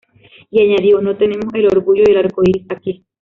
Y añadió: "No tenemos el orgullo y el arco iris aquí.